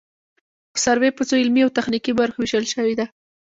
سروې په څو علمي او تخنیکي برخو ویشل شوې ده